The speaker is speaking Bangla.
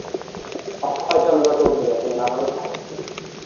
অক্ষয়চন্দ্র চৌধুরী একজন বাঙালি সাহিত্যিক।